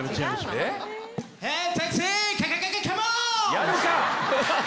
やるか！